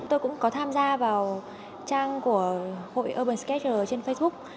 tôi cũng có tham gia vào trang của hội urbansketcher trên facebook